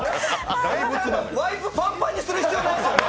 ワイプ、パンパンにする必要ないですよね。